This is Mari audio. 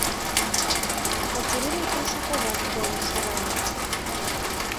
Катерина Коншаковат толын шогале.